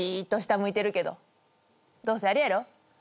どうせあれやろ？